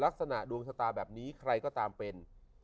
ลักษณะดวงชะตาแบบนี้ใครก็ตามเป็น